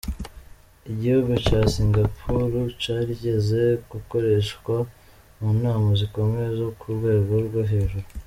Igihugu ca Singapour carigeze gukoreshwa mu nama zikomeye zo ku rwego rwo hejuru.